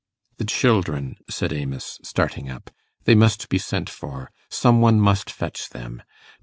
'The children,' said Amos, starting up. 'They must be sent for. Some one must fetch them.